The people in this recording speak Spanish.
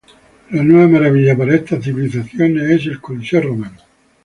La nueva maravilla para estas civilizaciones es el coliseo romano.